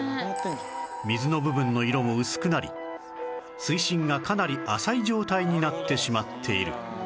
水の部分の色も薄くなり水深がかなり浅い状態になってしまっている